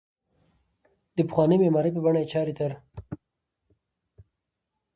د پخوانۍ معمارۍ په بڼه یې چارې تر